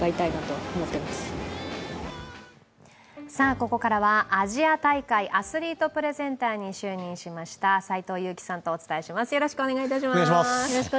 ここからはアジア大会アスリートプレゼンターに就任しました斎藤佑樹さんとお伝えします。